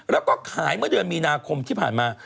แล้วก็ขายเมื่อเดือนมีนาคมที่ผ่านมา